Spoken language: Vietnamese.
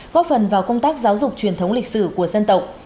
góp phần vào công tác giáo dục truyền thống lịch sử của dân tộc